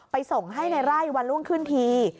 ส่งให้ในไร่วันรุ่งขึ้นที